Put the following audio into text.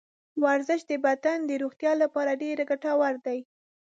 ورزش د بدن د روغتیا لپاره ډېر ګټور دی.